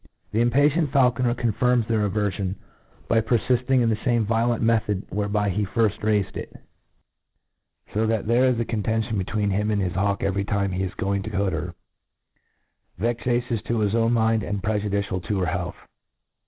The impatient faulconcr confirms their averfion, by perfifting in the lame violent method whereby he firft raifcd it; fo that there is a contention between him and his hawk ^very tiipe he is going to hood her, vexa tious to his own iliin4, and prejudicial to her health.